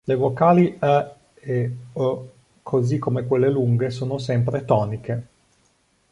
Le vocali ä e å così come quelle lunghe sono sempre toniche.